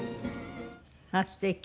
あっすてき。